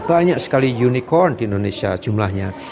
banyak sekali unicorn di indonesia jumlahnya